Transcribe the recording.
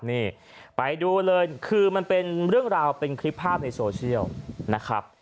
นี่ไปดูเลยคือมันเป็นเรื่องราวเป็นคลิปภาพในโซเชียลนะครับ